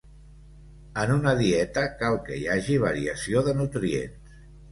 En una dieta cal que hi hagi variació de nutrients.